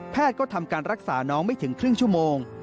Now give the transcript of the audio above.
ก็ทำการรักษาน้องไม่ถึงครึ่งชั่วโมง